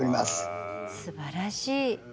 すばらしい。